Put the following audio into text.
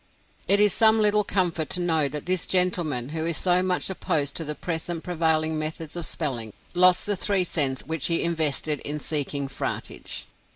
It is some little comfort to know that this gentleman, who is so much opposed to the present prevailing methods of spelling, lost the three cents which he invested in seeking "fratage."